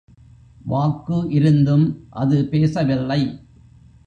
வாக்கு இருந்தும் அது பேசவில்லை.